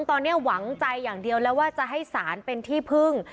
ตอนนี้หวังใจอย่างเดียวแล้วว่าจะให้สารเป็นที่พึ่ง